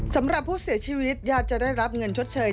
สำหรับผู้เสียชีวิตญาติจะได้รับเงินชดเชย